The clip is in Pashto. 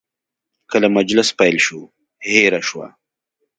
کله مجلس پیل شو، هیره شوه.